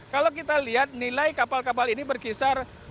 kalau kita lihat nilai kapal kapal ini berkisar